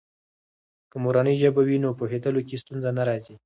که مورنۍ ژبه وي، نو پوهیدلو کې ستونزې نه راځي.